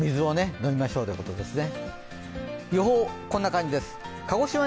飲みましょうということですね。